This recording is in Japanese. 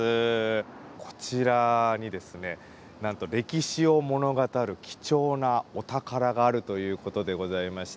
こちらにですねなんと歴史を物語る貴重なお宝があるということでございまして。